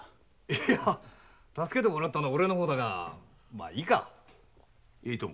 いや助けてもらったのは俺の方だがまぁいいか。